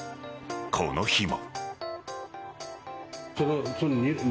この日も。